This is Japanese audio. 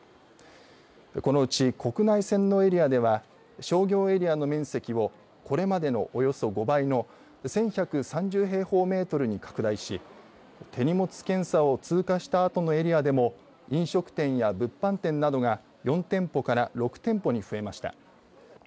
このうち国内線のエリアでは商業エリアの面積をこれまでの、およそ５倍の１１３０平方メートルに拡大し手荷物検査を通過したあとのエリアでも飲食店や物販店などが４店舗から６店舗に増えました。